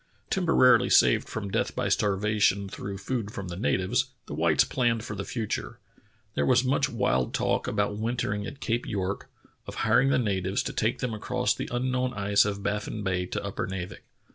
Temporarily saved from death by starvation through food from the natives, the whites planned for the future. There was much wild talk about wintering at Cape York, of hiring the natives to take them across the un known ice of Baffin Bay to Upernavik.